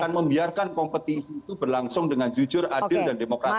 dan kemudian kompetisi itu berlangsung dengan jujur adil dan demokratis